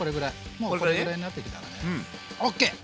もうこれぐらいになってきたらねＯＫ！